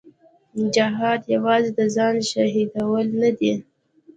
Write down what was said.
جهاد یوازې د ځان شهیدول نه دي.